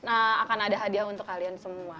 akan ada hadiah untuk kalian semua